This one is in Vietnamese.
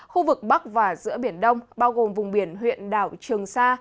khu vực bắc và giữa biển đông bao gồm vùng biển huyện đảo trường sa